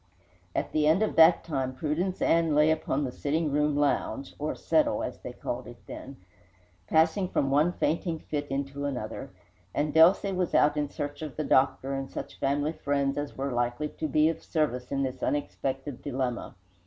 At the end of that time Prudence Ann lay upon the sitting room lounge (or "settle," as they called it then) passing from one fainting fit into another, and Delcy was out in search of the doctor and such family friends as were likely to be of service in this unexpected dilemma.